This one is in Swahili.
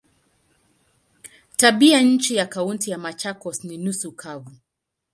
Tabianchi ya Kaunti ya Machakos ni nusu kavu.